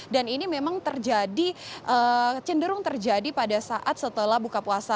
dan ini memang terjadi cenderung terjadi pada saat setelah buka puasa